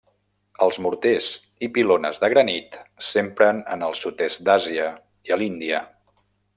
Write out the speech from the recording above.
Els morters i pilones de granit s'empren en el Sud-est d'Àsia i a l'Índia.